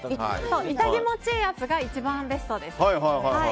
痛気持ちいい圧が一番ベストです。